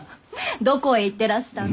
どこへ行ってらしたの？